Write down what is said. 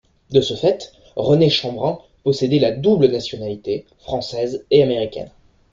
De ce fait, René de Chambrun possédait la double nationalité française et américaine.